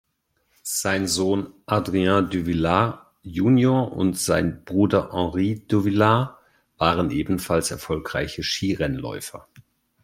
Sein Sohn Adrien Duvillard junior und sein Bruder Henri Duvillard waren ebenfalls erfolgreiche Skirennläufer.